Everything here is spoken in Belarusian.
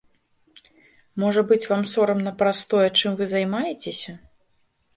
Можа быць, вам сорамна праз тое, чым вы займаецеся?